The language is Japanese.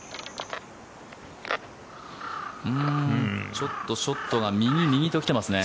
ちょっとショットが右、右と来ていますね。